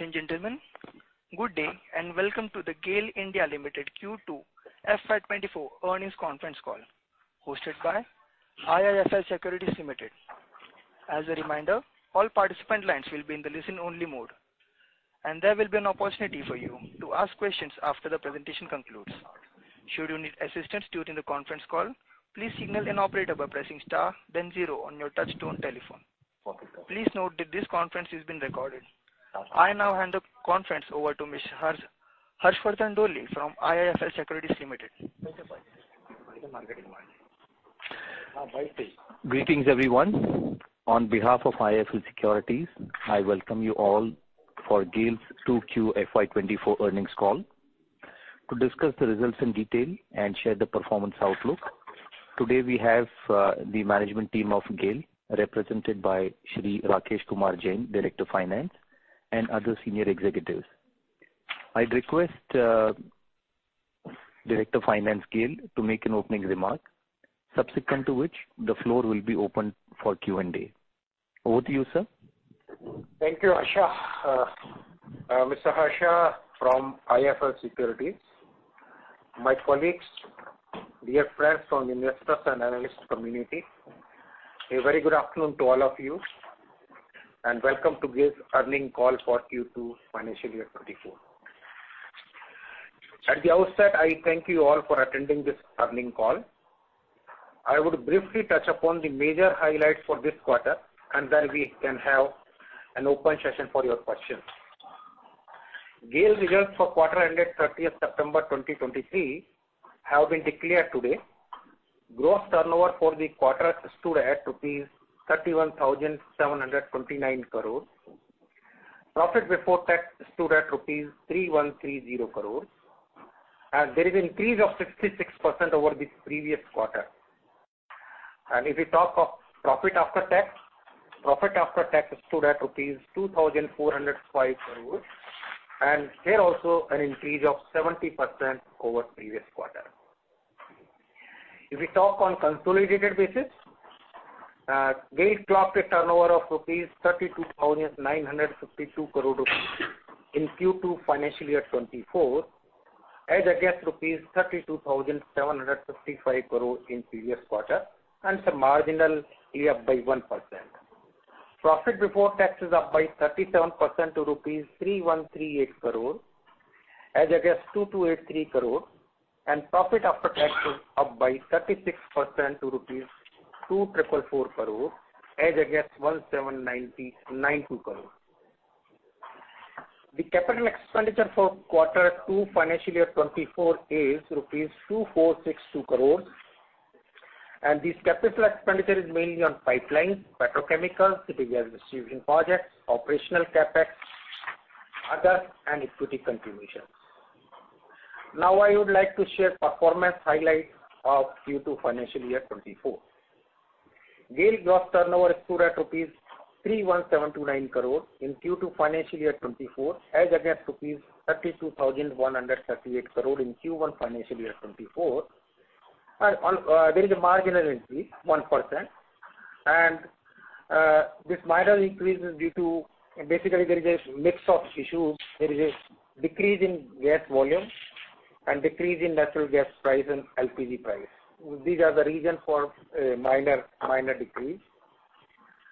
Ladies and gentlemen, good day, and welcome to the GAIL (India) Limited Q2 FY2024 Earnings Conference Call, hosted by IIFL Securities Limited. As a reminder, all participant lines will be in the listen-only mode, and there will be an opportunity for you to ask questions after the presentation concludes. Should you need assistance during the conference call, please signal an operator by pressing star then zero on your touchtone telephone. Please note that this conference is being recorded. I now hand the conference over to Mr. Harshvardhan Dole from IIFL Securities Limited. Greetings, everyone. On behalf of IIFL Securities, I welcome you all for GAIL's 2Q FY2024 Earnings Call. To discuss the results in detail and share the performance outlook, today, we have, the management team of GAIL, represented by Sri Rakesh Kumar Jain, Director Finance, and other senior executives. I'd request, Director Finance, GAIL, to make an opening remark, subsequent to which, the floor will be open for Q&A. Over to you, sir. Thank you, Harsha. Mr. Harsha from IIFL Securities. My colleagues, dear friends from investors and analyst community, a very good afternoon to all of you, and welcome to GAIL's earnings call for Q2 financial year 2024. At the outset, I thank you all for attending this earnings call. I would briefly touch upon the major highlights for this quarter, and then we can have an open session for your questions. GAIL results for quarter ended 30th September 2023 have been declared today. Gross turnover for the quarter stood at rupees 31,729 crore. Profit before tax stood at rupees 3,130 crore, and there is increase of 66% over the previous quarter. If we talk of profit after tax, profit after tax stood at rupees 2,405 crore, and here also an increase of 70% over previous quarter. If we talk on consolidated basis, GAIL clocked a turnover of 32,952 crore rupees in Q2 financial year 2024, as against rupees 32,755 crore in previous quarter, and some marginally up by 1%. Profit before tax is up by 37% to rupees 3,138 crore, as against 2,283 crore, and profit after tax is up by 36% to rupees 2,344 crore, as against 1,799.92 crore. The capital expenditure for quarter two financial year 2024 is rupees 2,462 crore, and this capital expenditure is mainly on pipelines, petrochemicals, distribution projects, operational CapEx, other, and equity contributions. Now, I would like to share performance highlights of Q2 financial year 2024. GAIL gross turnover stood at rupees 31,729 crore in Q2 financial year 2024, as against rupees 32,138 crore in Q1 financial year 2024. There is a marginal increase, 1%, and this minor increase is due to basically there is a mix of issues. There is a decrease in gas volume and decrease in natural gas price and LPG price. These are the reason for minor, minor decrease.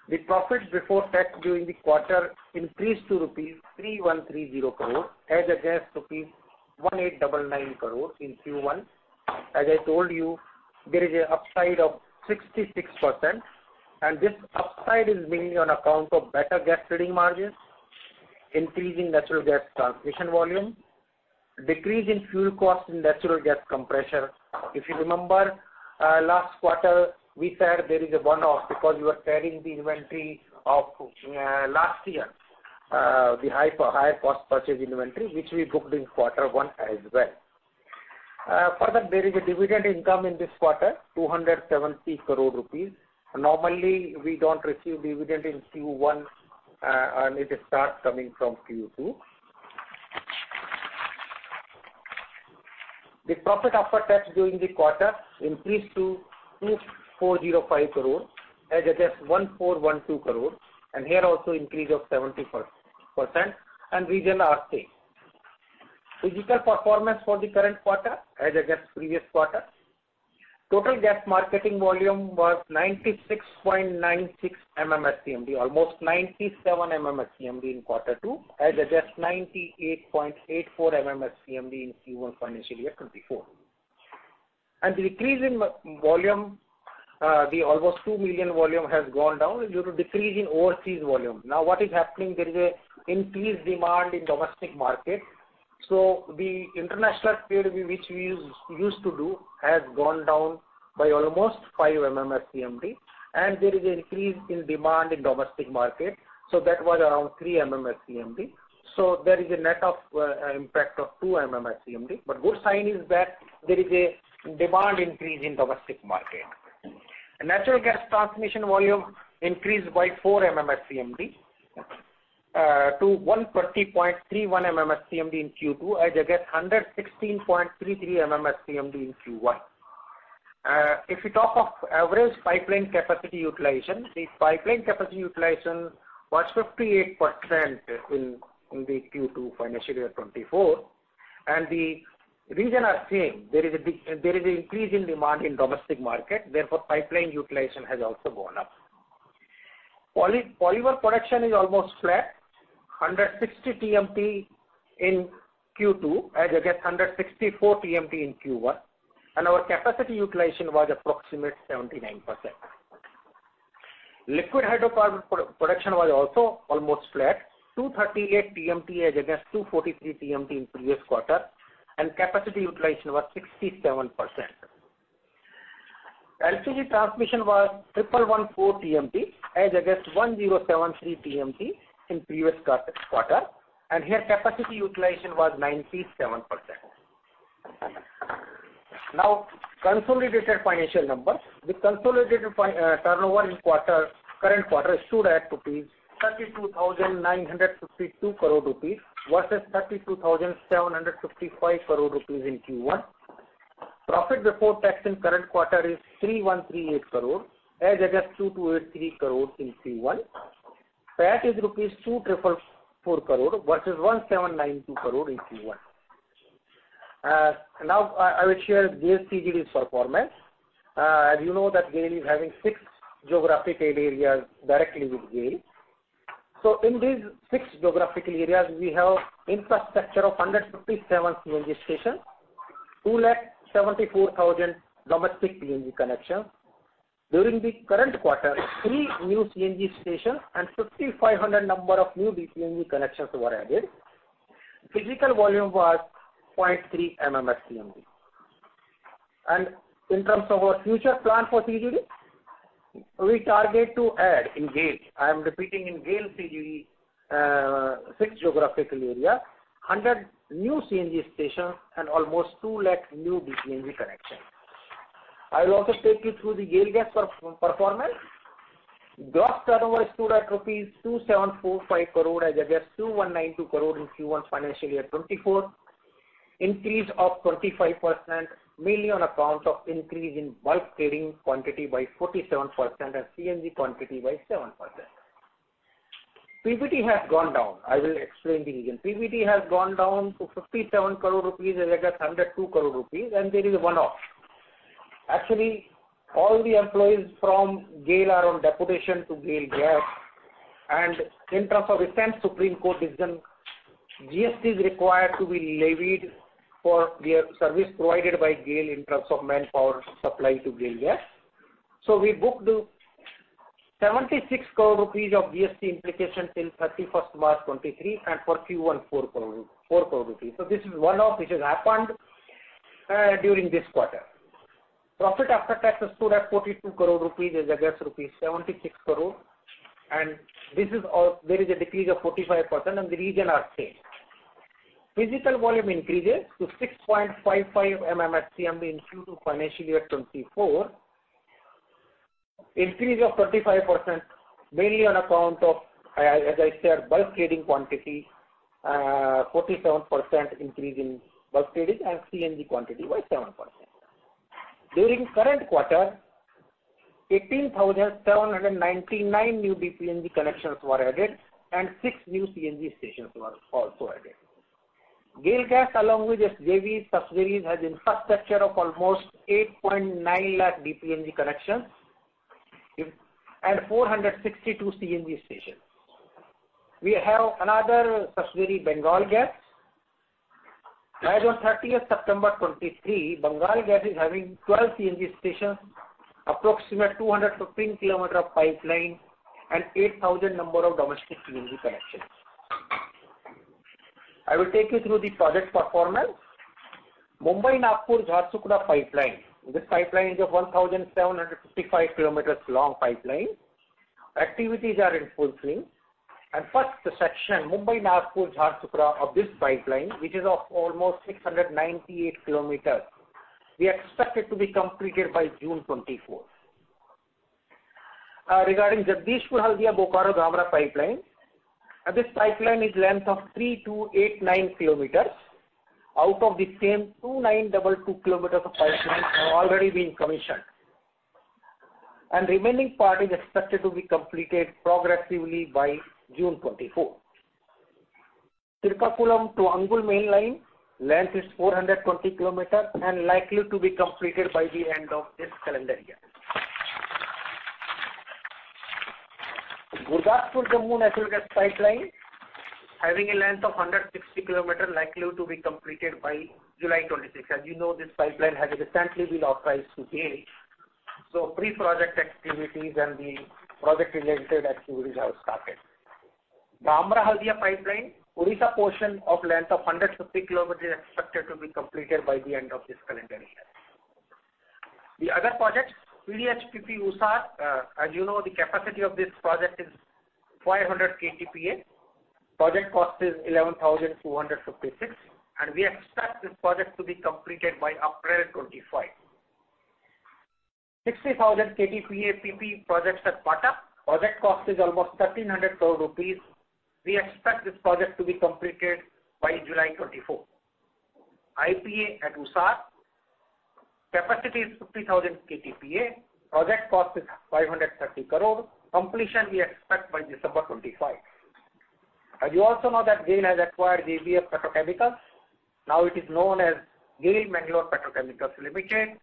The profit before tax during the quarter increased to rupees 3,130 crore, as against rupees 1,889 crore in Q1. As I told you, there is a upside of 66%, and this upside is mainly on account of better gas trading margins, increase in natural gas transmission volume, decrease in fuel costs in natural gas compressor. If you remember, last quarter, we said there is a one-off because you are carrying the inventory of last year, the high, high cost purchase inventory, which we booked in quarter one as well. Further, there is a dividend income in this quarter, 270 crore rupees. Normally, we don't receive dividend in Q1, and it starts coming from Q2. The profit after tax during the quarter increased to 2,405 crore, as against 1,412 crore, and here also increase of 70%, and reason are same. Physical performance for the current quarter as against previous quarter. Total gas marketing volume was 96.96 MMSCMD, almost 97 MMSCMD in quarter two, as against 98.84 MMSCMD in Q1 financial year 2024. And the decrease in volume, the almost 2 MMSCMD volume has gone down due to decrease in overseas volume. Now, what is happening, there is a increased demand in domestic market, so the international trade, which we use, used to do, has gone down by almost 5 MMSCMD, and there is a increase in demand in domestic market, so that was around 3 MMSCMD. So there is a net of, impact of 2 MMSCMD. But good sign is that there is a demand increase in domestic market. Natural gas transmission volume increased by 4 MMSCMD to 140.31 MMSCMD in Q2, as against 116.33 MMSCMD in Q1. If you talk of average pipeline capacity utilization, the pipeline capacity utilization was 58% in the Q2 financial year 2024, and the reason are same. There is an increase in demand in domestic market, therefore, pipeline utilization has also gone up. Polymer production is almost flat, 160 TMT in Q2, as against 164 TMT in Q1, and our capacity utilization was approximate 79%. Liquid hydrocarbon production was also almost flat, 238 TMT as against 243 TMT in previous quarter, and capacity utilization was 67%. LPG transmission was 314 TMT, as against 1,073 TMT in previous quarter, and here capacity utilization was 97%. Now, consolidated financial numbers. The consolidated turnover in current quarter stood at 32,952 crore rupees, versus 32,755 crore rupees in Q1. Profit before tax in current quarter is 3,138 crore, as against 2,283 crore in Q1. PAT is rupees 2,344 crore versus 1,792 crore in Q1. Now, I will share GAIL CGD's performance. As you know, that GAIL is having six geographical areas directly with GAIL. So in these six geographical areas, we have infrastructure of 157 CNG stations, 274,000 domestic PNG connections. During the current quarter, three new CNG stations and 5,500 number of new DPNG connections were added. Physical volume was 0.3 MMSCMD. And in terms of our future plan for CGD, we target to add in GAIL, I am repeating in GAIL CGD, six geographical area, 100 new CNG stations and almost 200,000 new DPNG connections. I will also take you through the GAIL Gas performance. Gross turnover stood at rupees 2,745 crore, as against 2,192 crore in Q1 financial year 2024. Increase of 25%, mainly on account of increase in bulk trading quantity by 47% and CNG quantity by 7%. PBT has gone down. I will explain the reason. PBT has gone down to 57 crore rupees as against 102 crore rupees, and there is a one-off. Actually, all the employees from GAIL are on deputation to GAIL Gas, and in terms of recent Supreme Court decision, GST is required to be levied for their service provided by GAIL in terms of manpower supply to GAIL Gas. So we booked 76 crore rupees of GST implication till 31 March 2023, and for Q1, 4 crore. So this is one-off, which has happened during this quarter. Profit after tax stood at 42 crore rupees as against rupees 76 crore, and this is all, there is a decrease of 45%, and the reason are same. Physical volume increases to 6.55 MMSCMD in Q2 financial year 2024. Increase of 35%, mainly on account of, as I said, bulk trading quantity, 47% increase in bulk trading and CNG quantity by 7%. During current quarter, 18,799 new DNPG connections were added, and six new CNG stations were also added. GAIL Gas, along with its JVs, subsidiaries, has infrastructure of almost 8.9 lakh DNPG connections and 462 CNG stations. We have another subsidiary, Bengal Gas. As on thirtieth September 2023, Bengal Gas is having 12 CNG stations, approximately 215 kilometers of pipeline, and 8,000 domestic CNG connections. I will take you through the project performance. Mumbai-Nagpur-Jharsuguda pipeline. This pipeline is of 1,755 kilometers long pipeline. Activities are in full swing, and first section, Mumbai-Nagpur-Jharsuguda of this pipeline, which is of almost 698 kilometers, we expect it to be completed by June 2024. Regarding Jagdishpur-Haldia-Bokaro-Dhamra pipeline, this pipeline is length of 3,289 kilometers. Out of the same, 2,922 km of pipeline have already been commissioned, and remaining part is expected to be completed progressively by June 2024. Kakinada to Angul mainline, length is 420 km, and likely to be completed by the end of this calendar year. Gurdaspur-Jammu natural gas pipeline, having a length of 160 km, likely to be completed by July 2026. As you know, this pipeline has recently been authorized to GAIL, so pre-project activities and the project-related activities have started. Dhamra-Haldia pipeline, Odisha portion of length of 150 km is expected to be completed by the end of this calendar year. The other project, PDH-PP Usar, as you know, the capacity of this project is 500 KTPA. Project cost is 11,256 crore, and we expect this project to be completed by April 2025. 60,000 KTPA PP project at Pata. Project cost is almost 1,300 crore rupees. We expect this project to be completed by July 2024. IPA at Usar, capacity is 50,000 KTPA. Project cost is 530 crore. Completion, we expect by December 2025. As you also know that GAIL has acquired JBF Petrochemicals. Now it is known as GAIL Mangalore Petrochemicals Limited.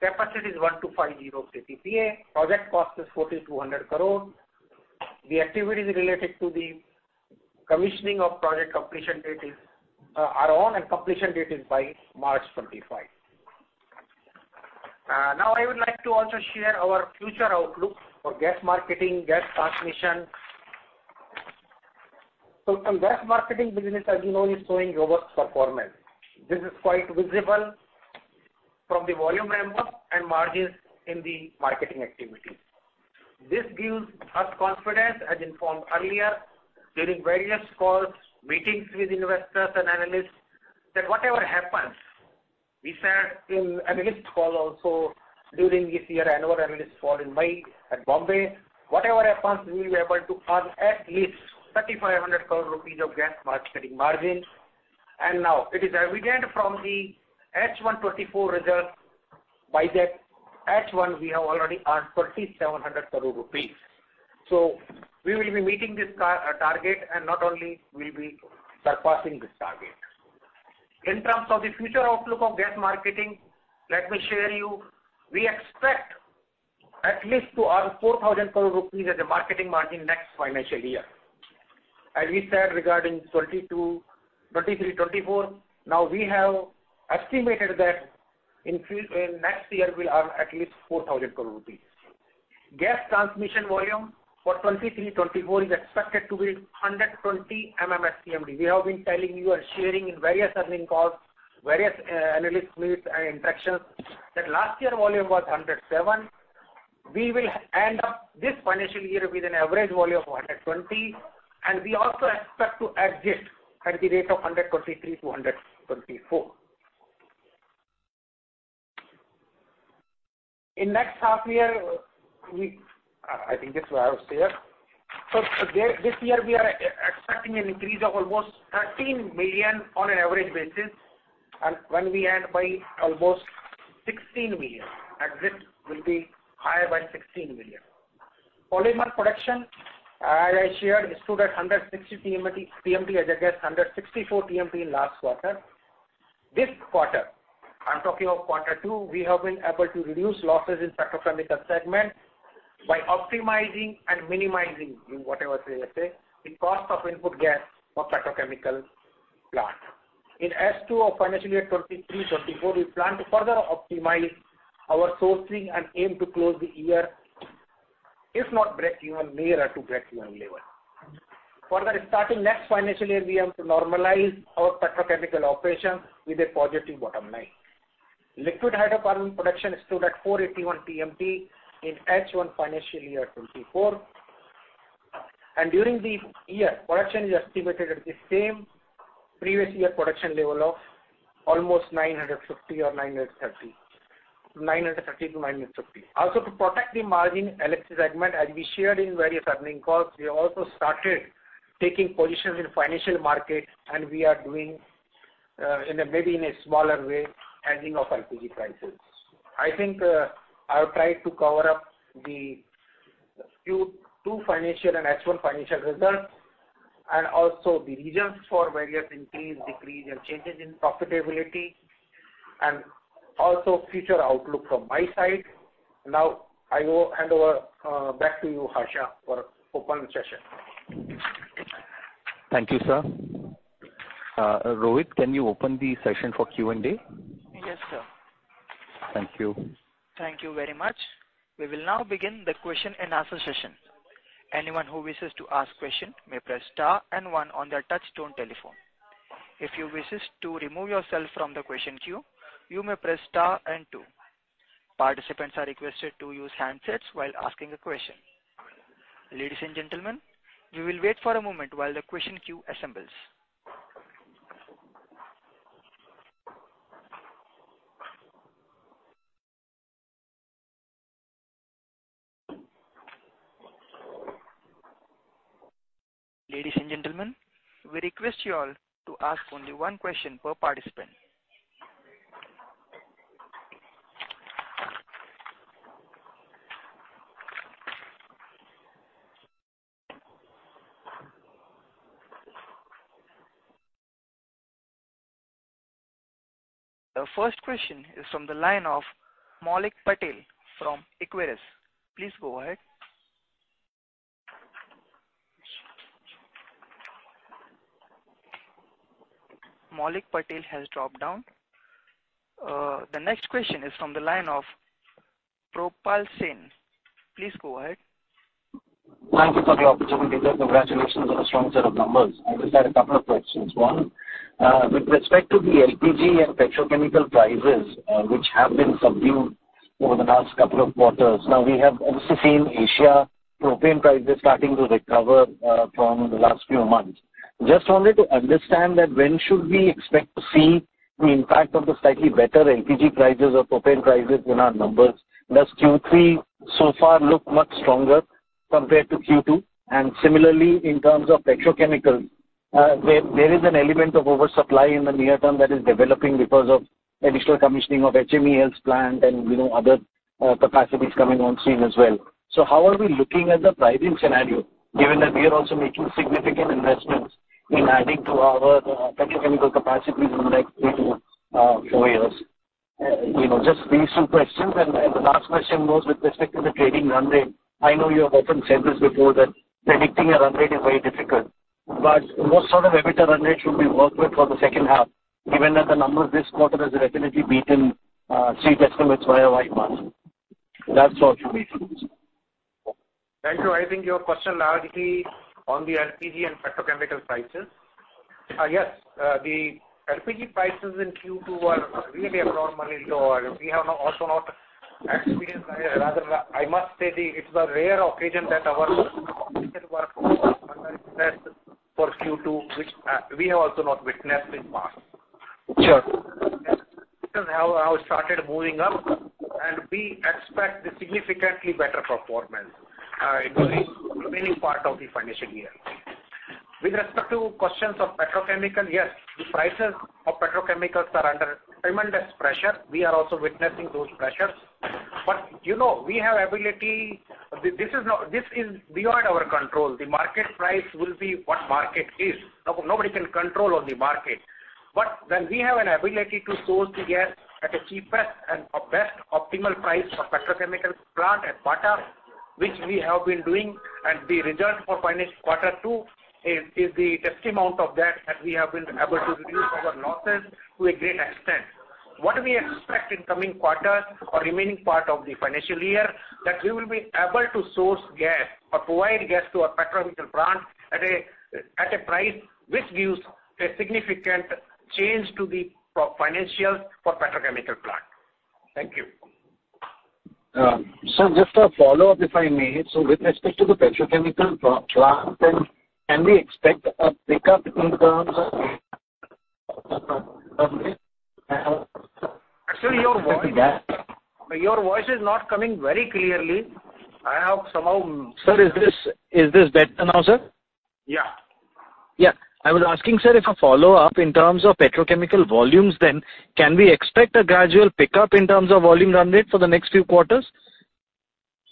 Capacity is 1,250 KTPA. Project cost is 4,200 crore. The activities related to the commissioning of project completion date is, are on, and completion date is by March 2025. Now I would like to also share our future outlook for gas marketing, gas transmission. So from gas marketing business, as you know, is showing robust performance. This is quite visible from the volume and volume, and margins in the marketing activity. This gives us confidence, as informed earlier, during various calls, meetings with investors and analysts, that whatever happens, we said in analyst call also during this year, annual analyst call in May at Bombay, whatever happens, we were able to earn at least 3,500 crore rupees of gas marketing margin. And now it is evident from the H1 2024 results, by that H1, we have already earned 3,700 crore rupees. So we will be meeting this target, and not only we'll be surpassing this target. In terms of the future outlook of gas marketing, let me share you, we expect at least to earn 4,000 crore rupees as a marketing margin next financial year. As we said, regarding 2022, 2023, 2024, now we have estimated that in next year, we'll earn at least 4,000 crore rupees. Gas transmission volume for 2023, 2024 is expected to be 120 MMSCMD. We have been telling you and sharing in various earning calls, various analyst meetings and interactions, that last year volume was 107. We will end up this financial year with an average volume of 120, and we also expect to exit at the rate of 123-124. In next half year, I think this is what I will say here. This year we are expecting an increase of almost 13 million on an average basis, and when we end by almost 16 million, exit will be higher by 16 million. Polymer production, as I shared, stood at 160 TMT, TMT, as I guess, 164 TMT in last quarter. This quarter, I'm talking of quarter two, we have been able to reduce losses in petrochemical segment by optimizing and minimizing, whatever, say, let's say, the cost of input gas for petrochemical plant. In H2 of financial year 2023-24, we plan to further optimize our sourcing and aim to close the year, if not breakeven, nearer to breakeven level. Further, starting next financial year, we have to normalize our petrochemical operations with a positive bottom line. Liquid hydrocarbon production stood at 481 TMT in H1 financial year 2024, and during the year, production is estimated at the same previous year production level of almost 950 or 930, 930-950. Also, to protect the margin LHC segment, as we shared in various earnings calls, we also started taking positions in financial markets, and we are doing, in a maybe in a smaller way, handling of LPG prices. I think, I have tried to cover up the Q2 financial and H1 financial results, and also the reasons for various increase, decrease, and changes in profitability, and also future outlook from my side. Now, I will hand over, back to you, Harsha, for open session. Thank you, sir. Rohit, can you open the session for Q&A? Yes, sir. Thank you. Thank you very much. We will now begin the question and answer session. Anyone who wishes to ask question, may press star and one on their touchtone telephone. If you wishes to remove yourself from the question queue, you may press star and two. Participants are requested to use handsets while asking a question. Ladies and gentlemen, we will wait for a moment while the question queue assembles. Ladies and gentlemen, we request you all to ask only one question per participant. The first question is from the line of Maulik Patel from Equirus. Please go ahead. Maulik Patel has dropped down. The next question is from the line of Probal Sen. Please go ahead. Thank you for the opportunity, and congratulations on a strong set of numbers. I just had a couple of questions. One, with respect to the LPG and petrochemical prices, which have been subdued over the last couple of quarters, now, we have also seen Asia propane prices starting to recover from the last few months.... Just wanted to understand that when should we expect to see the impact of the slightly better LPG prices or propane prices in our numbers? Does Q3 so far look much stronger compared to Q2? And similarly, in terms of petrochemical, there, there is an element of oversupply in the near term that is developing because of additional commissioning of HMEL's plant and, you know, other capacities coming on stream as well. So how are we looking at the pricing scenario, given that we are also making significant investments in adding to our petrochemical capacities in the next three to four years? You know, just these two questions. And the last question was with respect to the trading run rate. I know you have often said this before, that predicting a run rate is very difficult, but what sort of EBITDA run rate should we work with for the second half, given that the numbers this quarter has definitely beaten street estimates by a wide margin? That's all. Thank you. I think your question largely on the LPG and petrochemical prices. Yes, the LPG prices in Q2 are really abnormally low, and we have also not experienced, rather, I must say, the, it's a rare occasion that our for Q2, which, we have also not witnessed in past. Sure. Because now started moving up, and we expect a significantly better performance in the remaining part of the financial year. With respect to questions of petrochemical, yes, the prices of petrochemicals are under tremendous pressure. We are also witnessing those pressures. But you know, we have ability... This is beyond our control. The market price will be what market is. No, nobody can control on the market. But when we have an ability to source the gas at the cheapest and best optimal price for petrochemical plant at Pata, which we have been doing, and the result for financial quarter two is the testament of that, that we have been able to reduce our losses to a great extent. What we expect in coming quarters or remaining part of the financial year, that we will be able to source gas or provide gas to our petrochemical plant at a price which gives a significant change to the pro- financials for petrochemical plant. Thank you. So just a follow-up, if I may. So with respect to the petrochemical plant, then, can we expect a pickup in terms of Actually, your voice, your voice is not coming very clearly. I hope somehow... Sir, is this better now, sir? Yeah. Yeah. I was asking, sir, if a follow-up in terms of petrochemical volumes then, can we expect a gradual pickup in terms of volume run rate for the next few quarters?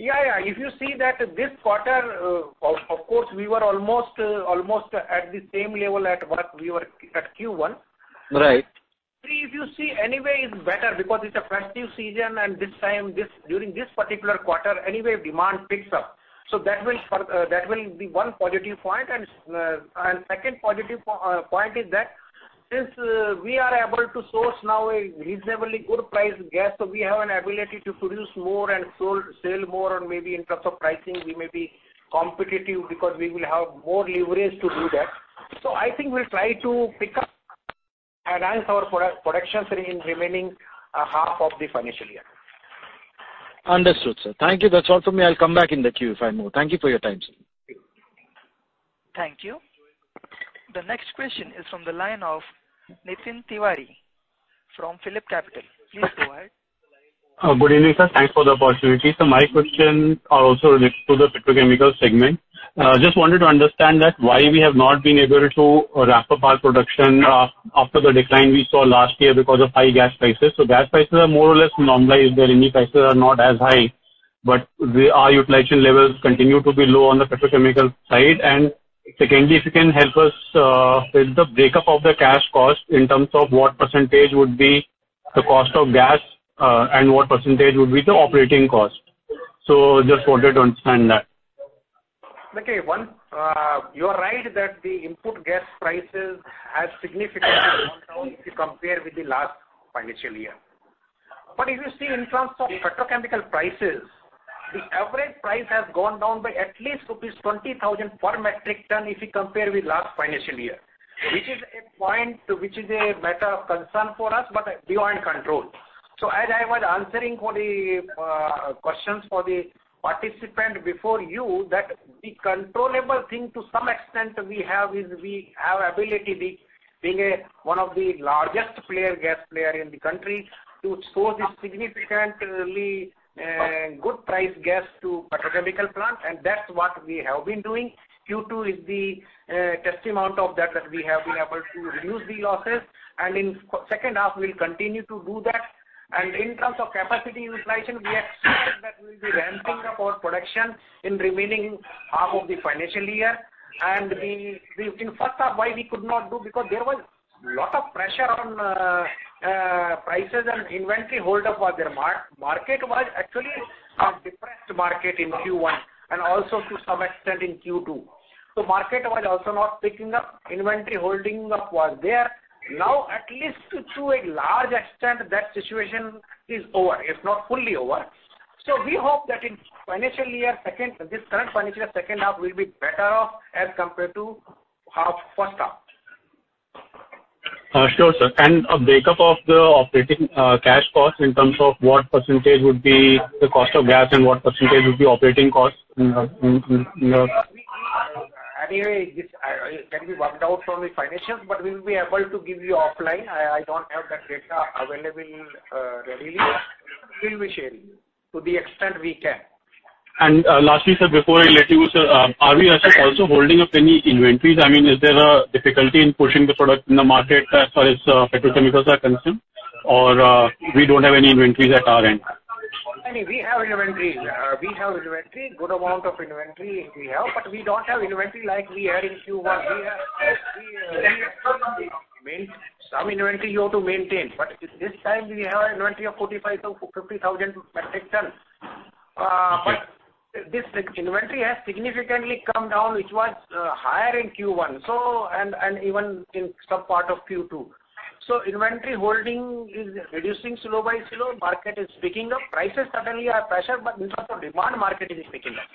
Yeah, yeah. If you see that this quarter, of course, we were almost at the same level at what we were at Q1. Right. If you see, anyway, it's better because it's a festive season, and this time, during this particular quarter, anyway, demand picks up. So that will be one positive point. And second positive point is that since we are able to source now a reasonably good price gas, so we have an ability to produce more and sell more, and maybe in terms of pricing, we may be competitive because we will have more leverage to do that. So I think we'll try to pick up and enhance our production in remaining half of the financial year. Understood, sir. Thank you. That's all from me. I'll come back in the queue if I may. Thank you for your time, sir. Thank you. The next question is from the line of Nitin Tiwari from Phillip Capital. Please go ahead. Good evening, sir. Thanks for the opportunity. So my question are also related to the petrochemical segment. Just wanted to understand that why we have not been able to wrap up our production, after the decline we saw last year because of high gas prices. So gas prices are more or less normalized, their import prices are not as high, but we, our utilization levels continue to be low on the petrochemical side. And secondly, if you can help us, with the breakup of the cash cost in terms of what percentage would be the cost of gas, and what percentage would be the operating cost. So just wanted to understand that. Okay, one, you are right that the input gas prices has significantly gone down if you compare with the last financial year. But if you see in terms of petrochemical prices, the average price has gone down by at least rupees 20,000 per metric ton if you compare with last financial year, which is a point which is a matter of concern for us, but beyond control. So as I was answering for the questions for the participant before you, that the controllable thing to some extent we have is we have ability, being a one of the largest gas player in the country, to source this significantly good price gas to petrochemical plant, and that's what we have been doing. Q2 is the least amount of that that we have been able to reduce the losses, and in second half, we'll continue to do that. In terms of capacity utilization, we expect that we will be ramping up our production in remaining half of the financial year. In first half, why we could not do? Because there was a lot of pressure on prices and inventory hold up was there. Market was actually a depressed market in Q1 and also to some extent in Q2. So market was also not picking up. Inventory holding up was there. Now, at least to a large extent, that situation is over. It's not fully over. So we hope that in financial year second, this current financial year, second half will be better off as compared to first half.... Sure, sir. A breakup of the operating cash costs in terms of what percentage would be the cost of gas, and what percentage would be operating costs in the your- Anyway, this can be worked out from the financials, but we will be able to give you offline. I don't have that data available readily. We will be sharing to the extent we can. Lastly, sir, before I let you, sir, are we also holding up any inventories? I mean, is there a difficulty in pushing the product in the market as far as petrochemicals are concerned? Or, we don't have any inventories at our end. I mean, we have inventories. We have inventory, good amount of inventory we have, but we don't have inventory like we had in Q1. We have, I mean, some inventory you have to maintain, but this time we have an inventory of 45, 000-50,000 metric tons. But this inventory has significantly come down, which was higher in Q1, so and even in some part of Q2. So inventory holding is reducing slow by slow. Market is picking up. Prices certainly are pressure, but in terms of demand, market is picking up.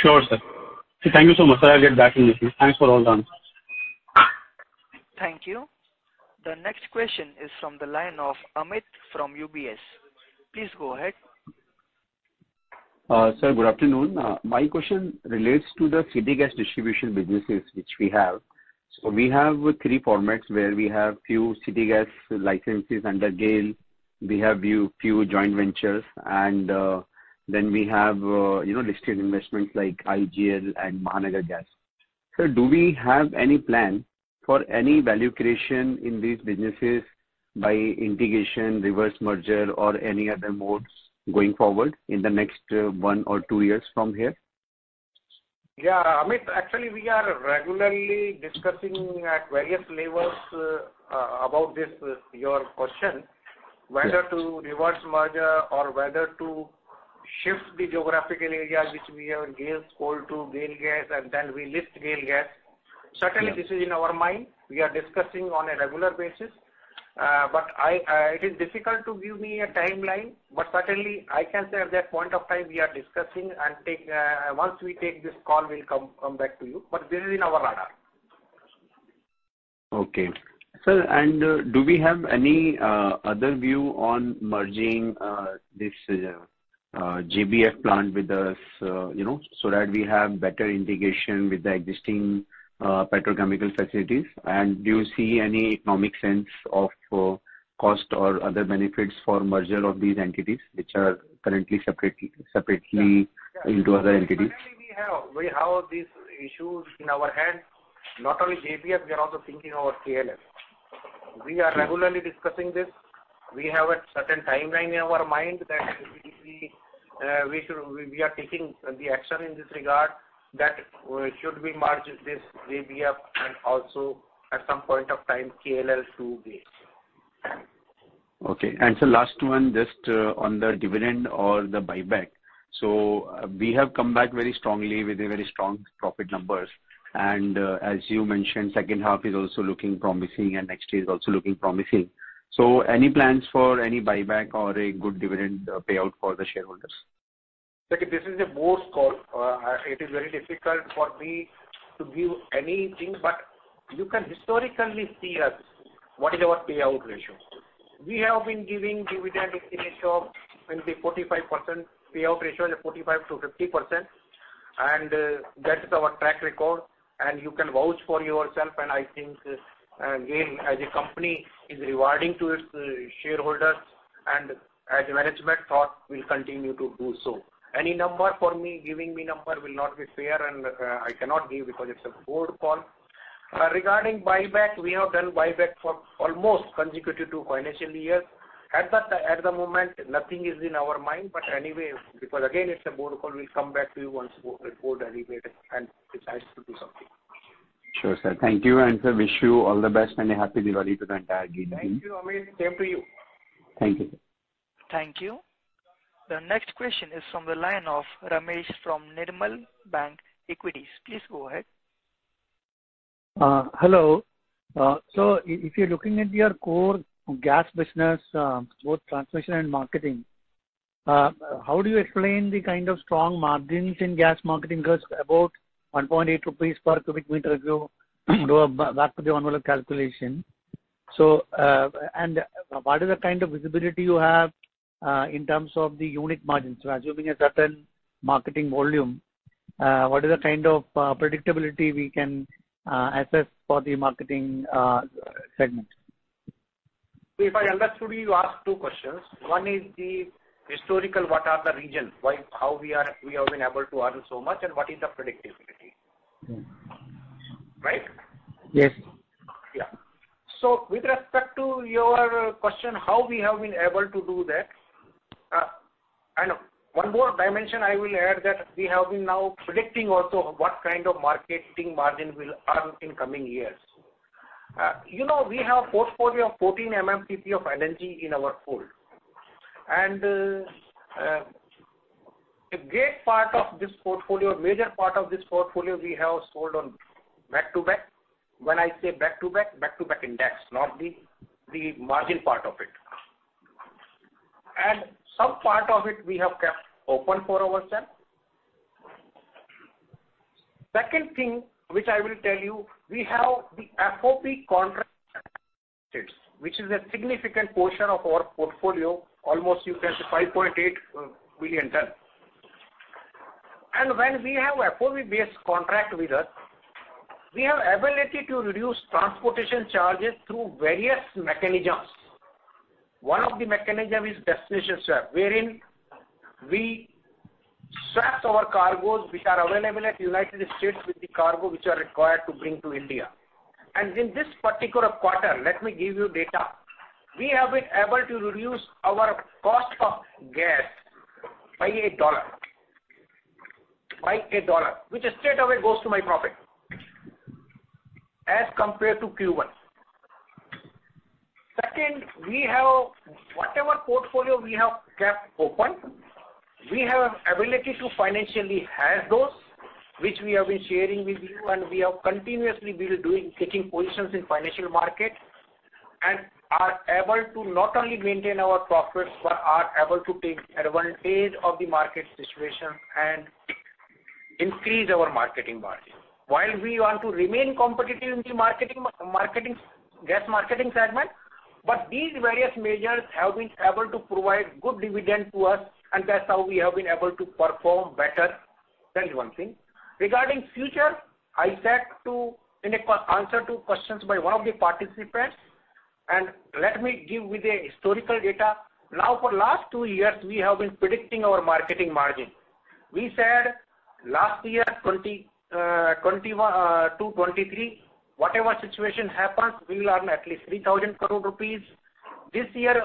Sure, sir. Thank you so much, sir. I'll get back with you. Thanks for all done. Thank you. The next question is from the line of Amit from UBS. Please go ahead. Sir, good afternoon. My question relates to the city gas distribution businesses which we have. We have three formats where we have few city gas licenses under GAIL. We have few, few joint ventures, and, then we have, you know, listed investments like IGL and Mahanagar Gas. Sir, do we have any plan for any value creation in these businesses by integration, reverse merger, or any other modes going forward in the next one or two years from here? Yeah, Amit, actually, we are regularly discussing at various levels about this, your question, whether to reverse merger or whether to shift the geographical area, which we have GAIL sold to GAIL Gas, and then we list GAIL Gas. Certainly, this is in our mind, we are discussing on a regular basis. But I, it is difficult to give me a timeline, but certainly, I can say at that point of time, we are discussing, and once we take this call, we'll come back to you, but this is in our radar. Okay. Sir, do we have any other view on merging this JBF plant with us, you know, so that we have better integration with the existing petrochemical facilities? Do you see any economic sense of cost or other benefits for merger of these entities, which are currently separately, separately into other entities? Certainly, we have. We have these issues in our hand, not only JBF, we are also thinking about KLL. We are regularly discussing this. We have a certain timeline in our mind that we are taking the action in this regard, that should we merge this JBF and also, at some point of time, KLL to GAIL. Okay. And so last one, just, on the dividend or the buyback. So we have come back very strongly with a very strong profit numbers. And, as you mentioned, second half is also looking promising, and next year is also looking promising. So any plans for any buyback or a good dividend payout for the shareholders? Look, this is a board call. It is very difficult for me to give anything, but you can historically see us, what is our payout ratio. We have been giving dividend estimate of 20%-45%, payout ratio is 45%-50%, and that is our track record, and you can vouch for yourself. And I think, GAIL, as a company, is rewarding to its shareholders, and as management thought, will continue to do so. Any number for me, giving me number will not be fair, and I cannot give because it's a board call. Regarding buyback, we have done buyback for almost consecutive two financial years. At the moment, nothing is in our mind, but anyway, because again, it's a board call, we'll come back to you once the board deliberates and decides to do something. Sure, sir. Thank you, and sir, wish you all the best and a happy Diwali to the entire GAIL team. Thank you, Amit. Same to you. Thank you. Thank you. The next question is from the line of Ramesh from Nirmal Bang Equities. Please go ahead. Hello. So if you're looking at your core gas business, both transmission and marketing, how do you explain the kind of strong margins in gas marketing? Because about 1.8 rupees per cubic meter go back to the envelope calculation. So, and what is the kind of visibility you have in terms of the unit margins? So assuming a certain marketing volume, what is the kind of predictability we can assess for the marketing segment? If I understood you, you asked two questions. One is the historical, what are the reasons, why, how we have been able to earn so much, and what is the predictability? Mm-hmm. Right? Yes. Yeah. So with respect to your question, how we have been able to do that, I know. One more dimension I will add, that we have been now predicting also what kind of marketing margin we'll earn in coming years. You know, we have portfolio of 14 MMTPA of energy in our hold. And, a great part of this portfolio, major part of this portfolio, we have sold on back to back. When I say back to back, back to back index, not the, the margin part of it. And some part of it, we have kept open for ourselves.... Second thing, which I will tell you, we have the FOB contract, which is a significant portion of our portfolio, almost you can say 5.8 billion ton. And when we have FOB based contract with us, we have ability to reduce transportation charges through various mechanisms. One of the mechanism is destination swap, wherein we swap our cargoes which are available at United States with the cargo which are required to bring to India. And in this particular quarter, let me give you data. We have been able to reduce our cost of gas by $1, by $1, which straight away goes to my profit, as compared to Q1. Second, we have, whatever portfolio we have kept open, we have ability to financially hedge those, which we have been sharing with you, and we have continuously been doing, taking positions in financial market, and are able to not only maintain our profits, but are able to take advantage of the market situation and increase our marketing margin. While we want to remain competitive in the marketing, gas marketing segment, but these various measures have been able to provide good dividend to us, and that's how we have been able to perform better. That is one thing. Regarding future, I said, in answer to questions by one of the participants, and let me give you the historical data. Now, for last two years, we have been predicting our marketing margin. We said last year, 2021 to 2023, whatever situation happens, we will earn at least 3,000 crore rupees. This year,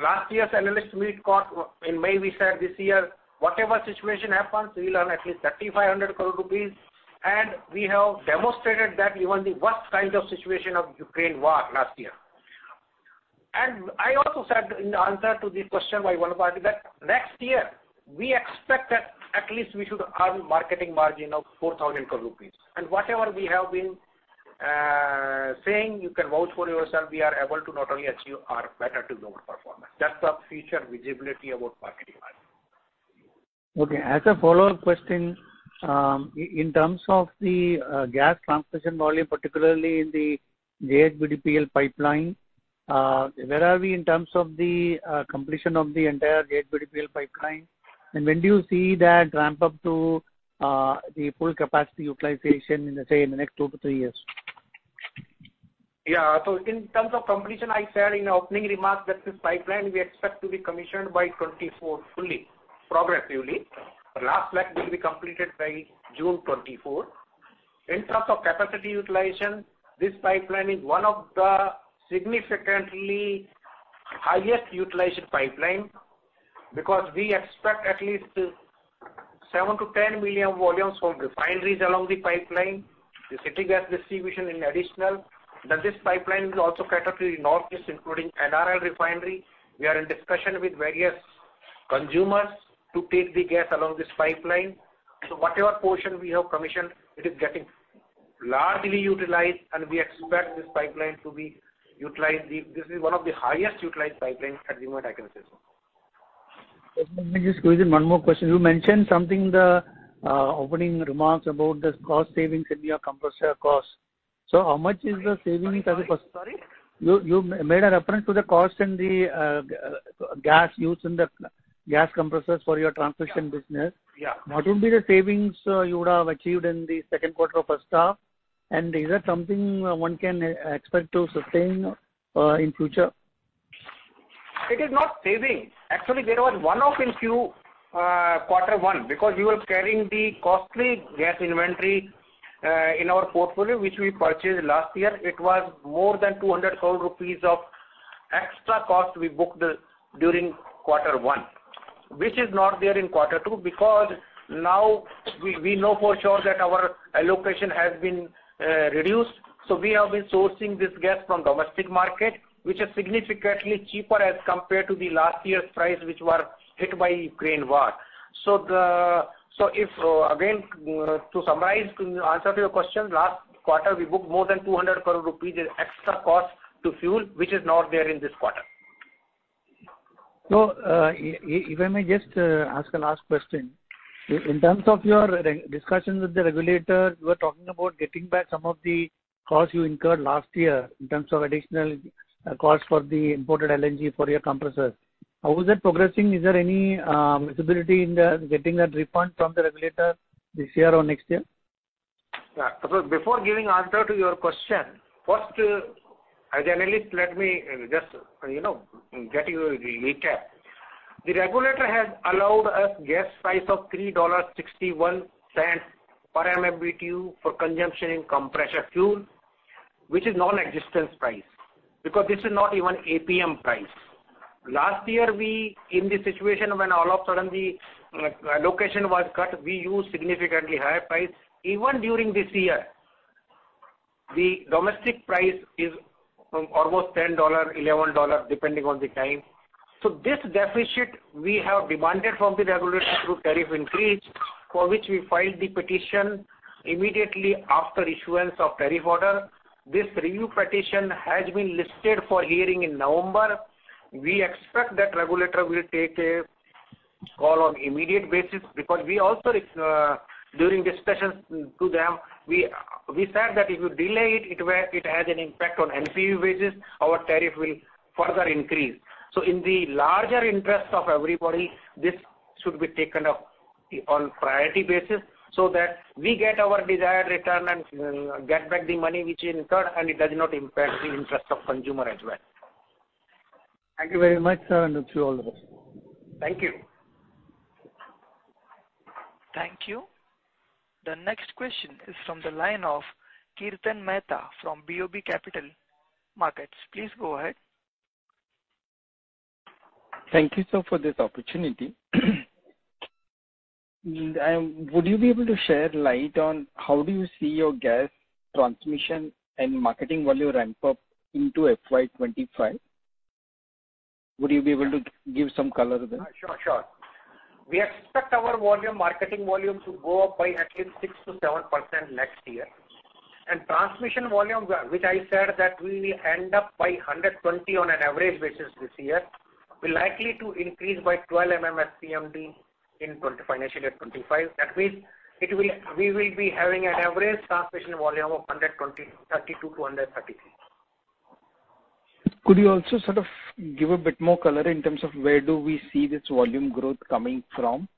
last year's analyst meet call, in May, we said this year, whatever situation happens, we will earn at least 3,500 crore rupees, and we have demonstrated that even the worst kind of situation of Ukraine war last year. I also said in the answer to the question by one party, that next year, we expect that at least we should earn marketing margin of 4,000 crore rupees. Whatever we have been saying, you can vouch for yourself, we are able to not only achieve our better to lower performance. That's the future visibility about marketing margin. Okay, as a follow-up question, in terms of the gas transmission volume, particularly in the JHBDPL pipeline, where are we in terms of the completion of the entire JHBDPL pipeline? And when do you see that ramp up to the full capacity utilization in the, say, in the next two to three years? Yeah. So in terms of completion, I said in the opening remarks that this pipeline, we expect to be commissioned by 2024, fully, progressively. Last leg will be completed by June 2024. In terms of capacity utilization, this pipeline is one of the significantly highest utilization pipeline, because we expect at least 7 million -10 million volumes from refineries along the pipeline, the city gas distribution in addition. Then this pipeline will also cater to the Northeast, including NRL refinery. We are in discussion with various consumers to take the gas along this pipeline. So whatever portion we have commissioned, it is getting largely utilized, and we expect this pipeline to be utilized. This is one of the highest utilized pipelines at the moment, I can say so. Let me just squeeze in one more question. You mentioned something, the opening remarks about the cost savings in your compressor cost. So how much is the savings as a first- Sorry? You, you made a reference to the cost and the gas use in the gas compressors for your transmission business. Yeah. What would be the savings you would have achieved in the second quarter of first half? And is that something one can expect to sustain in future? It is not saving. Actually, there was one off in Q1, because we were carrying the costly gas inventory in our portfolio, which we purchased last year. It was more than 200 crore rupees of extra cost we booked during quarter one, which is not there in quarter two, because now we know for sure that our allocation has been reduced. So we have been sourcing this gas from domestic market, which is significantly cheaper as compared to the last year's price, which were hit by Ukraine war. So the... So if, again, to summarize, to answer to your question, last quarter, we booked more than 200 crore rupees, the extra cost to fuel, which is not there in this quarter. So, if I may just ask a last question. In terms of your discussions with the regulator, you were talking about getting back some of the costs you incurred last year in terms of additional costs for the imported LNG for your compressors. How is that progressing? Is there any visibility in the getting that refund from the regulator this year or next year? Yeah. So before giving answer to your question, first, as an analyst, let me just, you know, get you a recap. The regulator has allowed us gas price of $3.61 per MMBtu for consumption in compressor fuel, which is nonexistent price, because this is not even APM price. Last year, we, in the situation when all of sudden the allocation was cut, we used significantly higher price. Even during this year, the domestic price is almost $10, $11, depending on the time. So this deficit, we have demanded from the regulator through tariff increase, for which we filed the petition immediately after issuance of tariff order. This review petition has been listed for hearing in November. We expect that regulator will take a...... call on immediate basis, because we also, during discussions to them, we, we said that if you delay it, it will—it has an impact on NPV basis, our tariff will further increase. So in the larger interest of everybody, this should be taken up on priority basis, so that we get our desired return and, get back the money which is incurred, and it does not impact the interest of consumer as well. Thank you very much, sir, and wish you all the best. Thank you. Thank you. The next question is from the line of Kirtan Mehta, from BOB Capital Markets. Please go ahead. Thank you, sir, for this opportunity. Would you be able to share light on how do you see your gas transmission and marketing volume ramp up into FY 25? Would you be able to give some color there? Sure, sure. We expect our volume, marketing volume, to go up by at least 6%-7% next year. Transmission volumes, which I said that we will end up by 120 on an average basis this year, we're likely to increase by 12 MMSCMD in financial year 2025. That means, it will—we will be having an average transmission volume of 132-133. Could you also sort of give a bit more color in terms of where do we see this volume growth coming from?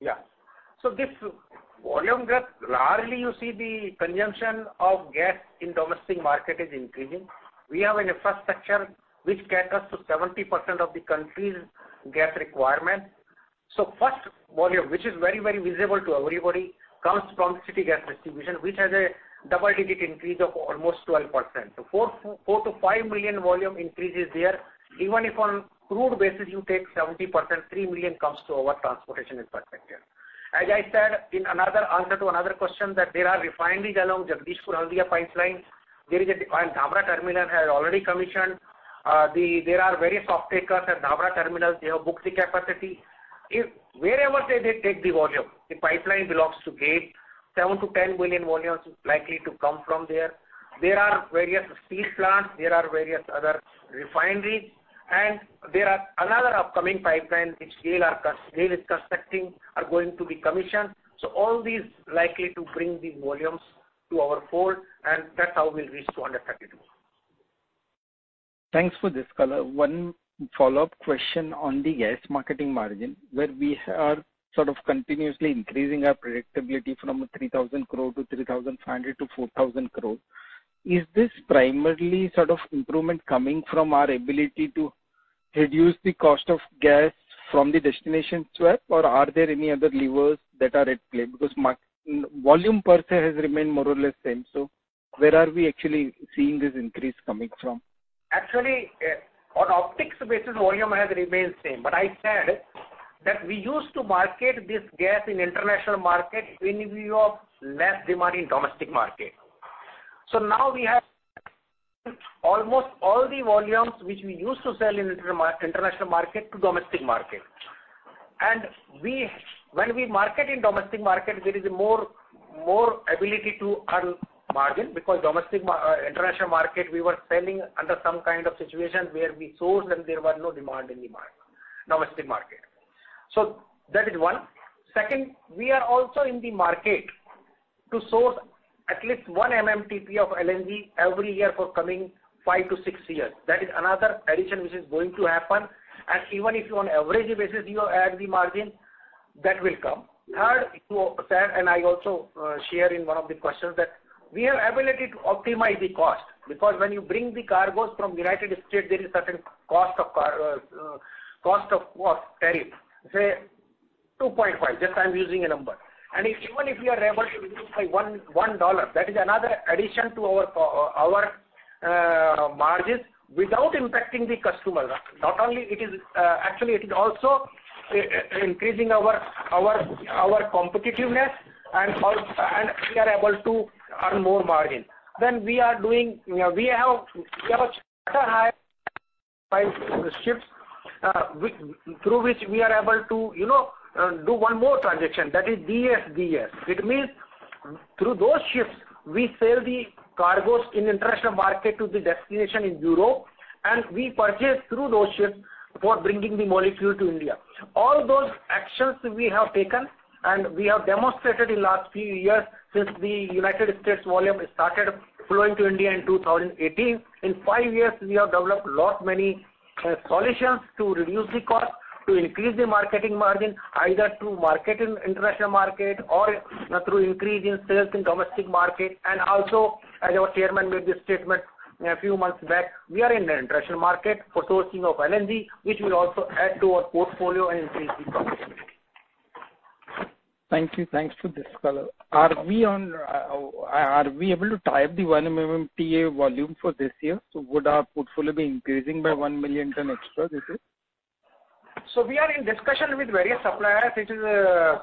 Yeah. So this volume growth, largely, you see the consumption of gas in domestic market is increasing. We have an infrastructure which caters to 70% of the country's gas requirement. So first, volume, which is very, very visible to everybody, comes from city gas distribution, which has a double-digit increase of almost 12%. So 4-5 million volume increase is there. Even if on crude basis, you take 70%, 3 million comes to our transportation perspective. As I said in another answer to another question, that there are refineries along Jagdishpur Haldia pipeline. There is a Dhamra terminal has already commissioned. There are various off-takers at Dhamra terminal, they have booked the capacity. If wherever they, they take the volume, the pipeline belongs to GAIL. 7 million-10 million volumes is likely to come from there. There are various steel plants, there are various other refineries, and there are another upcoming pipeline, which GAIL is constructing, are going to be commissioned. So all these likely to bring the volumes to our fold, and that's how we'll reach to under 32. Thanks for this color. One follow-up question on the gas marketing margin, where we are sort of continuously increasing our predictability from 3,000 crore to 3,500 crore to 4,000 crore. Is this primarily sort of improvement coming from our ability to reduce the cost of gas from the destination swap, or are there any other levers that are at play? Because marketing volume per se has remained more or less same. So where are we actually seeing this increase coming from? Actually, on optics basis, volume has remained same. But I said, that we used to market this gas in international market in view of less demand in domestic market. So now we have almost all the volumes which we used to sell in international market to domestic market. And when we market in domestic market, there is more ability to earn margin, because domestic, international market, we were selling under some kind of situation where we source, and there was no demand in the domestic market. So that is one. Second, we are also in the market to source at least one MMTPA of LNG every year for coming five to six years. That is another addition which is going to happen. And even if on average basis, you add the margin, that will come. Third, I said, and I also share in one of the questions, that we have ability to optimize the cost, because when you bring the cargoes from United States, there is certain cost of cargo, cost of tariff, say $2.5, just I'm using a number. And even if we are able to reduce by $1, that is another addition to our margins, without impacting the customer. Not only it is, actually, it is also increasing our competitiveness, and we are able to earn more margin. Then we are doing, we have ships, through which we are able to, you know, do one more transaction, that is Destination Swaps. It means, through those ships, we sell the cargoes in international market to the destination in Europe, and we purchase through those ships for bringing the molecule to India. All those actions we have taken, and we have demonstrated in last few years since the United States volume started flowing to India in 2018. In five years, we have developed lot many solutions to reduce the cost, to increase the marketing margin, either through market in international market or through increase in sales in domestic market. And also, as our chairman made the statement a few months back, we are in the international market for sourcing of LNG, which will also add to our portfolio and increase the profitability. Thank you. Thanks for this color. Are we on? Are we able to tie up the 1 MMTA volume for this year? So would our portfolio be increasing by 1 million ton extra this year? So we are in discussion with various suppliers.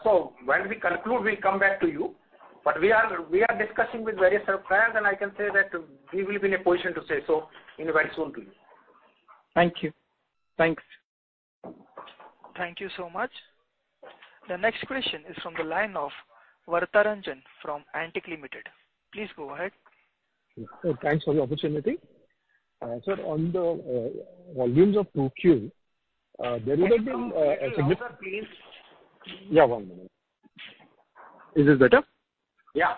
So when we conclude, we'll come back to you. But we are discussing with various suppliers, and I can say that we will be in a position to say so very soon to you. Thank you. Thanks. Thank you so much... The next question is from the line of Varatharajan from Antique Limited. Please go ahead. Sir, thanks for the opportunity. Sir, on the volumes of 2Q, there would have been a signi- Can you louder, please? Yeah, one minute. Is this better? Yeah.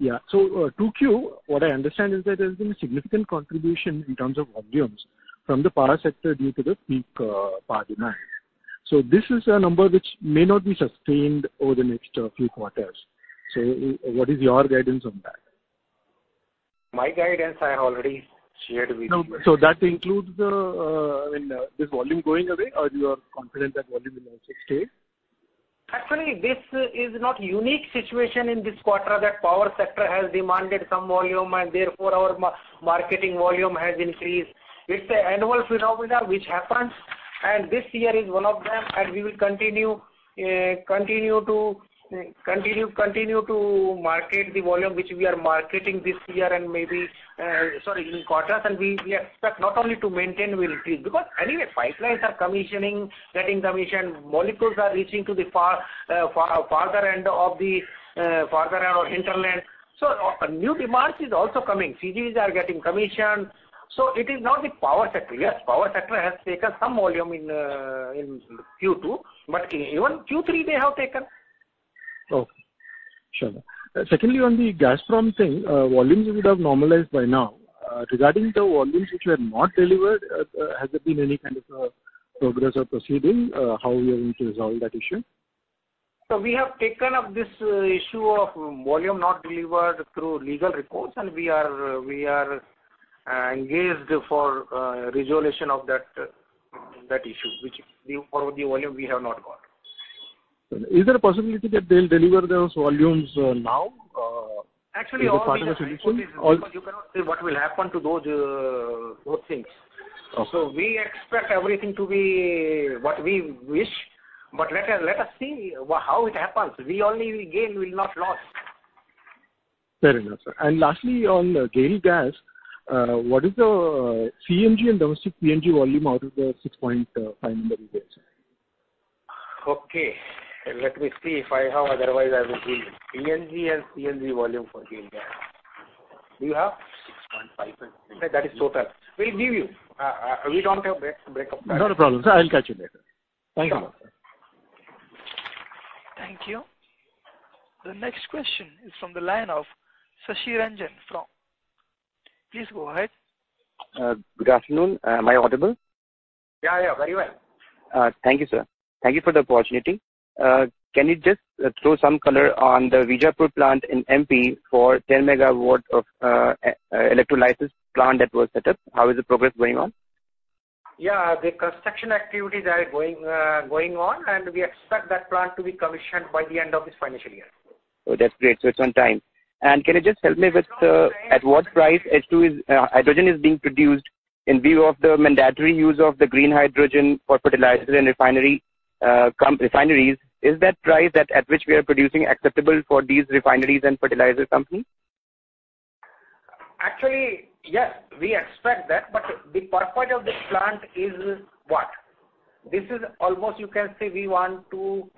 Yeah. So, 2Q, what I understand is that there's been a significant contribution in terms of volumes from the power sector due to the peak power demand. So this is a number which may not be sustained over the next few quarters. So what is your guidance on that? My guidance, I already shared with you. So that includes the, I mean, this volume going away, or you are confident that volume will not stay? Actually, this is not unique situation in this quarter, that power sector has demanded some volume, and therefore, our marketing volume has increased. It's an annual phenomena which happens, and this year is one of them, and we will continue to continue to market the volume which we are marketing this year and maybe, sorry, in quarters, and we expect not only to maintain, we increase. Because anyway, pipelines are commissioning, getting commissioned, molecules are reaching to the farther end of the farther end of hinterland. So, new demand is also coming. CGs are getting commissioned. So it is not the power sector. Yes, power sector has taken some volume in Q2, but even Q3, they have taken. Okay. Sure. Secondly, on the Gazprom thing, volumes would have normalized by now. Regarding the volumes which were not delivered, has there been any kind of progress or proceeding, how we are going to resolve that issue? So we have taken up this issue of volume not delivered through legal reports, and we are engaged for resolution of that issue, which we for the volume we have not got. Is there a possibility that they'll deliver those volumes now? Actually, all- As a part of the solution? Because you cannot say what will happen to those, those things. Okay. We expect everything to be what we wish, but let us, let us see how it happens. We only will gain, we will not lose. Fair enough, sir. And lastly, on GAIL Gas, what is the CNG and domestic PNG volume out of the 6.5 million there, sir? Okay, let me see if I have; otherwise, I will give you. CNG and CNG volume for GAIL Gas. Do you have? 6.5. That is total. We'll give you, we don't have breakup that. Not a problem, sir. I will catch you later. Thank you. Sure. Thank you. The next question is from the line of Sashi Ranjan from... Please go ahead. Good afternoon. Am I audible? Yeah, yeah, very well. Thank you, sir. Thank you for the opportunity. Can you just throw some color on the Vijaipur plant in MP for 10 MW of electrolysis plant that was set up? How is the progress going on? Yeah, the construction activities are going on, and we expect that plant to be commissioned by the end of this financial year. Oh, that's great. So it's on time. Can you just help me with at what price H2 is hydrogen is being produced in view of the mandatory use of the green hydrogen for fertilizer and refinery refineries? Is that price that at which we are producing acceptable for these refineries and fertilizer companies? Actually, yes, we expect that, but the purpose of this plant is what? This is almost, you can say, we want to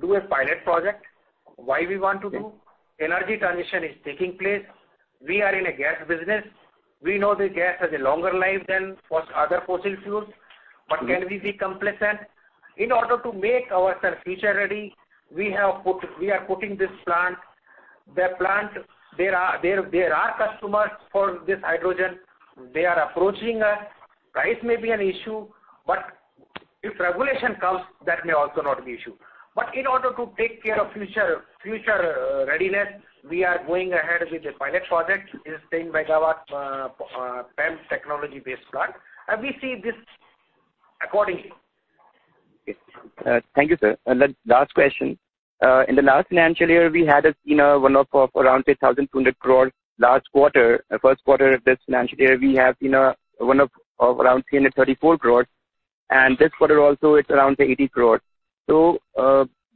do a pilot project. Why we want to do? Okay. Energy transition is taking place. We are in a gas business. We know the gas has a longer life than other fossil fuels. Mm-hmm. But can we be complacent? In order to make ourselves future ready, we have put—we are putting this plant. The plant, there are customers for this hydrogen. They are approaching us. Price may be an issue, but if regulation comes, that may also not be issue. But in order to take care of future readiness, we are going ahead with a pilot project, is 10 megawatt PEM technology-based plant, and we see this accordingly. Okay. Thank you, sir. The last question. In the last financial year, we had a, you know, one-off of around 3,200 crore last quarter. First quarter of this financial year, we have seen a one-off of around 334 crore, and this quarter also, it's around 80 crore. So,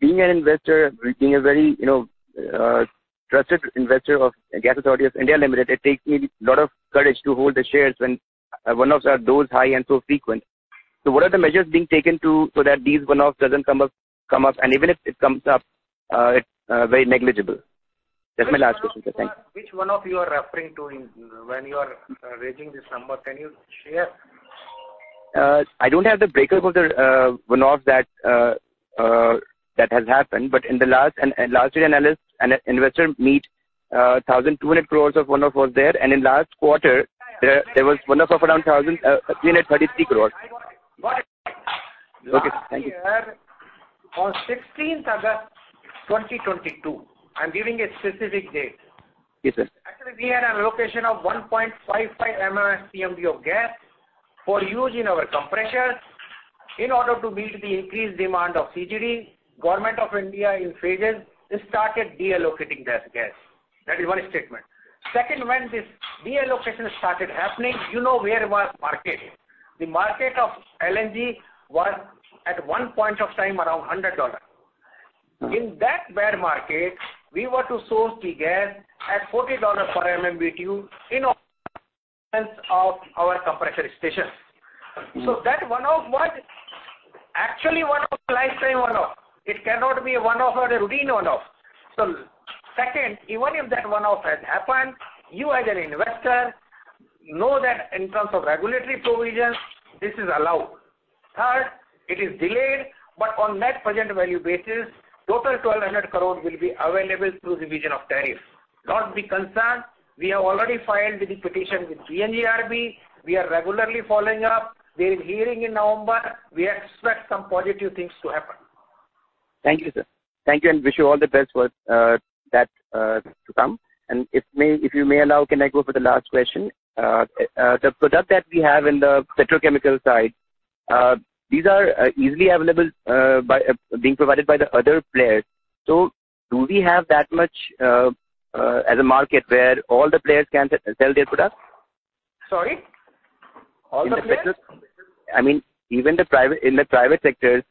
being an investor, being a very, you know, trusted investor of Gas Authority of India Limited, it takes me a lot of courage to hold the shares when one-offs are those high and so frequent. So what are the measures being taken to, so that these one-off doesn't come up, and even if it comes up, it's very negligible? That's my last question, sir. Thank you. Which one of you are referring to in, when you are, raising this number? Can you share? I don't have the breakup of the one-off that has happened, but in last year's analyst and investor meet, 1,200 crore of one-off was there, and in last quarter, there was one-off of around 1,333 crore. I got it. Got it. Okay. Thank you. Last year, on sixteenth August 2022, I'm giving a specific date. Yes, sir. Actually, we had an allocation of 1.55 MMSCMD of gas for use in our compressors. In order to meet the increased demand of CGD, Government of India, in phases, started deallocating that gas. That is one statement. Second, when this deallocation started happening, you know, where was market? The market of LNG was, at one point of time, around $100. In that bear market, we were to source the gas at $40 per MMBtu in our compressor stations. So that one-off was, actually one-off, lifetime one-off. It cannot be a one-off or a routine one-off. So second, even if that one-off has happened, you as an investor, know that in terms of regulatory provisions, this is allowed. Third, it is delayed, but on net present value basis, total 1,200 crore will be available through revision of tariff. Not be concerned, we have already filed the petition with PNGRB. We are regularly following up. There is hearing in November. We expect some positive things to happen. Thank you, sir. Thank you, and wish you all the best for that to come. And if I may, if you may allow, can I go for the last question? The product that we have in the petrochemical side, these are easily available by being provided by the other players. So do we have that much as a market where all the players can sell their products? Sorry? All the players- I mean, even the private, in the private sectors,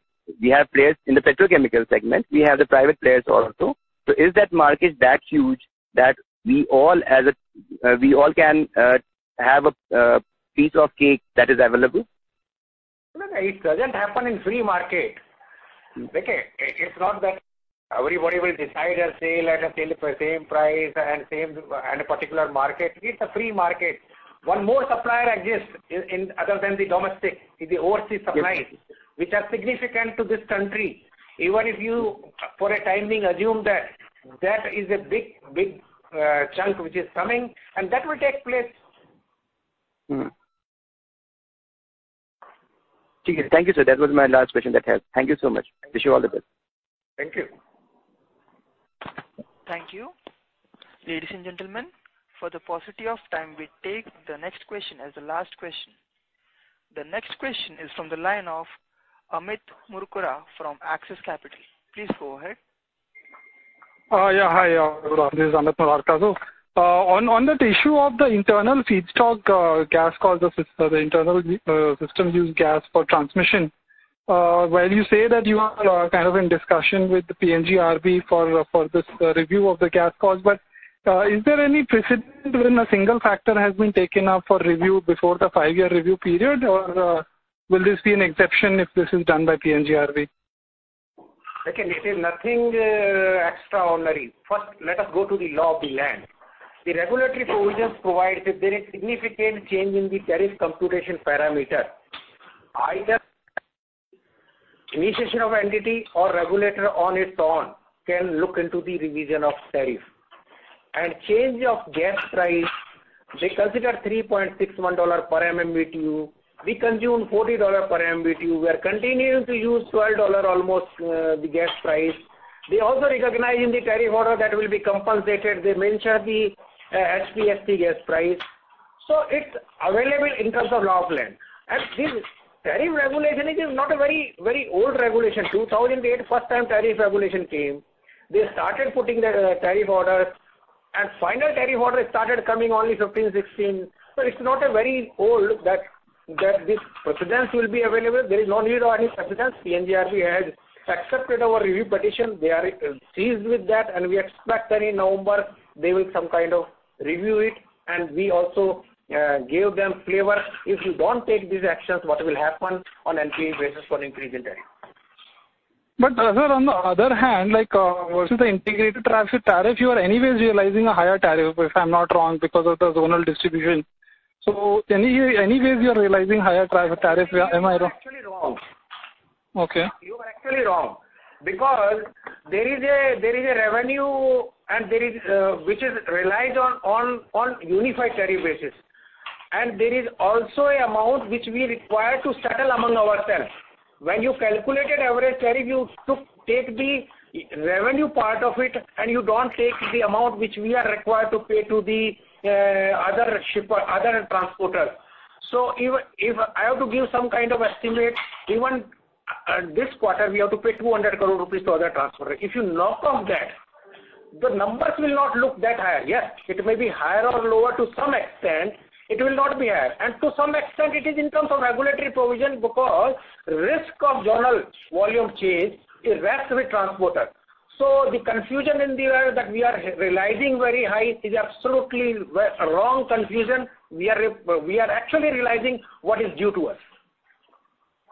we have players in the petrochemical segment, we have the private players also. So is that market that huge that we all as a, we all can have a piece of cake that is available? No, no, it doesn't happen in free market. Okay? It's not that everybody will decide and sell at a same price and same, and a particular market. It's a free market. One more supplier exists in, other than the domestic, is the overseas suppliers- Yes. -which are significant to this country. Even if you, for the time being, assume that that is a big, big, chunk which is coming, and that will take place. Mm-hmm. Thank you, sir. That was my last question. That helps. Thank you so much. Wish you all the best. Thank you. Thank you. Ladies and gentlemen, for the paucity of time, we take the next question as the last question. The next question is from the line of Amit Murarka from Axis Capital. Please go ahead. Yeah, hi, good afternoon. This is Amit Murarka. On that issue of the internal feedstock gas cost, the internal system use gas for transmission, while you say that you are kind of in discussion with the PNGRB for this review of the gas cost, but is there any precedent when a single factor has been taken up for review before the five-year review period, or will this be an exception if this is done by PNGRB? Okay, it is nothing extraordinary. First, let us go to the law of the land. The regulatory provisions provide that there is significant change in the tariff computation parameter. Either initiation of entity or regulator on its own can look into the revision of tariff. And change of gas price, they consider $3.61 per MMBTU. We consume $40 per MMBTU. We are continuing to use $12 almost, the gas price. We also recognize in the tariff order that will be compensated. They mention the Spot gas price. So it's available in terms of law of land. And this tariff regulation, it is not a very, very old regulation. 2008, first time tariff regulation came. They started putting the tariff orders, and final tariff order started coming only 2015, 2016. So it's not a very old that, that this precedent will be available. There is no need of any precedent. PNGRB has accepted our review petition. They are seized with that, and we expect that in November, they will some kind of review it, and we also gave them flavor. If you don't take these actions, what will happen on NFA basis for increase in tariff. But, sir, on the other hand, like, versus the integrated tariff, you are anyways realizing a higher tariff, if I'm not wrong, because of the zonal distribution. So anyways, you are realizing higher tariff Am I wrong? Actually wrong. Okay. You are actually wrong. Because there is a revenue, and there is, which is relies on, on unified tariff basis. And there is also an amount which we require to settle among ourselves. When you calculated average tariff, you took, take the revenue part of it, and you don't take the amount which we are required to pay to the, other shipper, other transporter. So even if I have to give some kind of estimate, even, this quarter, we have to pay 200 crore rupees to other transporter. If you knock off that, the numbers will not look that high. Yes, it may be higher or lower to some extent, it will not be high. And to some extent, it is in terms of regulatory provision, because risk of zonal volume change rests with transporter. So the confusion in the air that we are realizing very high is absolutely a wrong confusion. We are actually realizing what is due to us.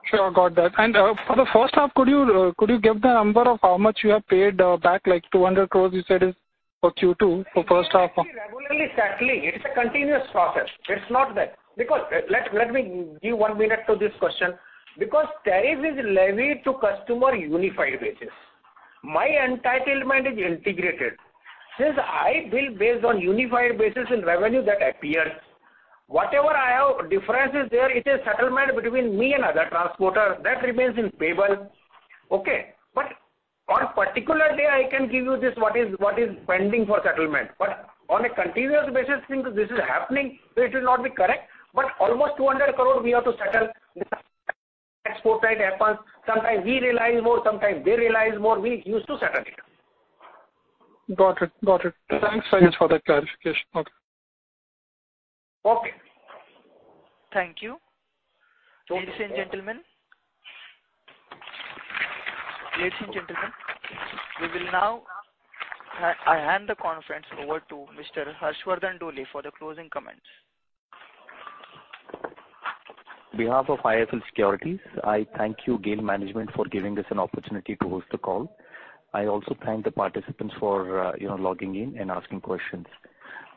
Sure, got that. For the first half, could you, could you give the number of how much you have paid back, like 200 crore you said is for Q2, for first half? Actually, regularly settling, it's a continuous process. It's not that. Because, let me give one minute to this question. Because tariff is levied to customer unified basis. My entitlement is integrated. Since I bill based on unified basis in revenue that appears, whatever I have differences there, it is settlement between me and other transporter. That remains in payable. Okay, but on particular day, I can give you this, what is pending for settlement. But on a continuous basis, since this is happening, so it will not be correct. But almost 200 crore we have to settle sometimes we realize more, sometimes they realize more. We use to settle it. Got it. Got it. Thanks for that clarification. Okay. Okay. Thank you. Ladies and gentlemen... Ladies and gentlemen, we will now hand the conference over to Mr. Harshvardhan Dole for the closing comments. behalf of IIFL Securities, I thank you, GAIL management, for giving us an opportunity to host the call. I also thank the participants for, you know, logging in and asking questions.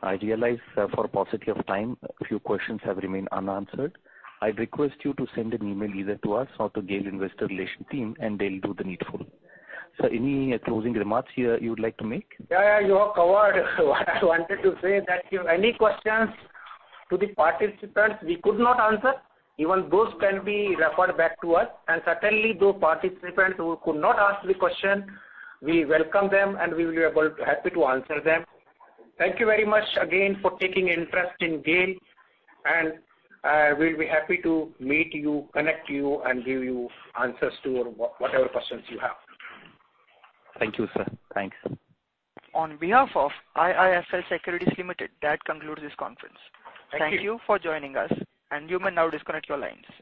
I realize, for paucity of time, a few questions have remained unanswered. I request you to send an email either to us or to GAIL Investor Relations team, and they'll do the needful. Sir, any closing remarks here you would like to make? Yeah, yeah, you have covered. What I wanted to say that if any questions to the participants we could not answer, even those can be referred back to us. And certainly, those participants who could not ask the question, we welcome them, and we will be able, happy to answer them. Thank you very much again for taking interest in GAIL, and we'll be happy to meet you, connect you, and give you answers to your whatever questions you have. Thank you, sir. Thanks. On behalf of IIFL Securities Limited, that concludes this conference. Thank you. Thank you for joining us, and you may now disconnect your lines.